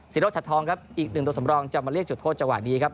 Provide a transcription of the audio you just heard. รถชัดทองครับอีกหนึ่งตัวสำรองจะมาเรียกจุดโทษจังหวะนี้ครับ